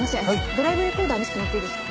ドライブレコーダー見せてもらっていいですか？